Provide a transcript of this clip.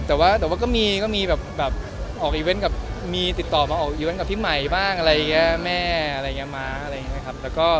แต่ว่าก็มีมาติดต่อมาอกสัพพี่ใหม่บ้างแม่อะไรอย่างนี้มา